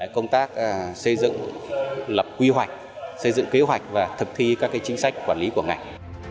công tác xây dựng lập quy hoạch xây dựng kế hoạch và thực thi các chính sách quản lý của ngành